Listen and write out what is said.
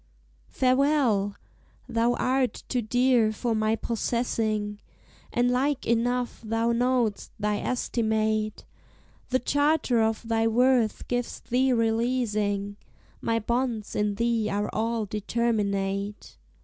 Farewell! thou art too dear for my possessing, And like enough thou know'st thy estimate: The charter of thy worth gives thee releasing; My bonds in thee are all determinate.